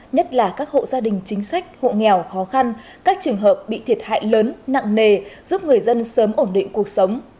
nhất là các hộ gia đình chính sách hộ nghèo khó khăn các trường hợp bị thiệt hại lớn nặng nề giúp người dân sớm ổn định cuộc sống